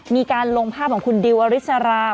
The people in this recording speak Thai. มีการลงภาพของคุณดิวอริสรา